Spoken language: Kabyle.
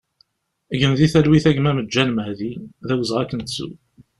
Gen di talwit a gma Maǧan Mehdi, d awezɣi ad k-nettu!